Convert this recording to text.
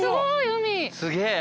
すげえ！